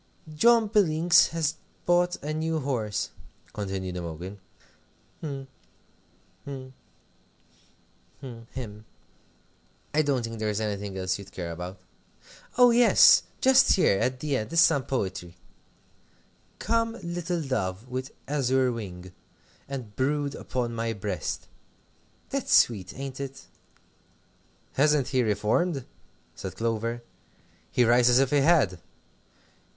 "John Billings has bought a new horse," continued Imogen; "hm, hm, hm him. I don't think there is anything else you'd care about. Oh, yes! just here, at the end, is some poetry: "'Come, little dove, with azure wing, And brood upon my breast,' "That's sweet, ain't it?" "Hasn't he reformed?" said Clover; "he writes as if he had."